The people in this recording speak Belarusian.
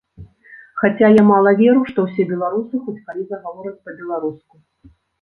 Хаця, я мала веру, што ўсе беларусы хоць калі загавораць па-беларуску.